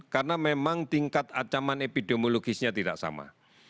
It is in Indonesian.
karena memang tingkat acaman epidemiologisnya tidak sama